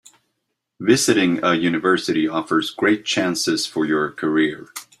Visiting a university offers great chances for your career.